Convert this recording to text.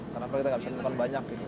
karena kita nggak bisa menemukan banyak gitu